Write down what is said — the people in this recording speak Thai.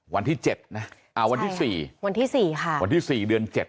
วันที่๗นะอ่าวันที่สี่วันที่สี่ค่ะวันที่๔เดือน๗